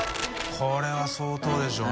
これは相当でしょうね。